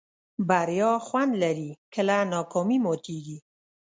بریا خوند لري کله ناکامي ماتېږي.